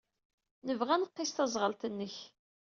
Nebɣa ad nqiss taẓɣelt-nnek.